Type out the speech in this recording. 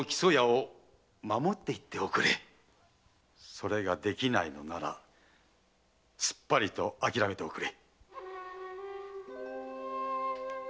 それができないのならすっぱりと諦めておくれ！